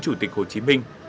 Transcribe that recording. chủ tịch hồ chí minh